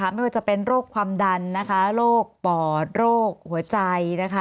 ไม่ว่าจะเป็นโรคความดันโรคปอดโรคหัวใจ